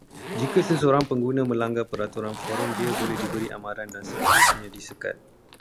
Jika seseorang pengguna melanggar peraturan forum, dia boleh diberi amaran, dan seterusnya disekat